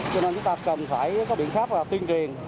cho nên chúng ta cần phải có biện pháp là tuyên truyền